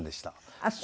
あっそう。